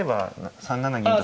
あ３七銀。